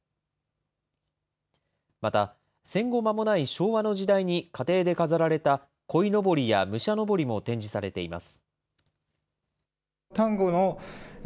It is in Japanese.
また、戦後間もない昭和の時代に家庭で飾られたこいのぼりや武者のぼりも展示されています。